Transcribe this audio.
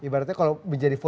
ibaratnya kalau menjadi vat